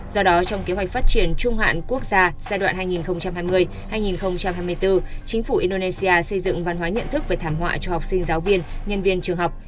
do đó trong kế hoạch phát triển trung hạn quốc gia giai đoạn hai nghìn hai mươi hai nghìn hai mươi bốn chính phủ indonesia xây dựng văn hóa nhận thức về thảm họa cho học sinh giáo viên nhân viên trường học